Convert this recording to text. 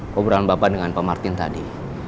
kuburan bapak dengan pak martin tadi